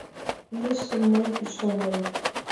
Илышым мый, ӱшанен